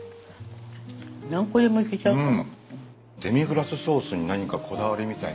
何個でもいけちゃうかも。